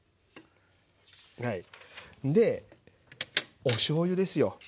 でおしょうゆですよ。